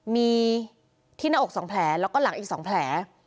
มีที่หน้าอก๒แผลแล้วก็หลังอีก๒แผล